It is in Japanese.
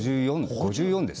５４です。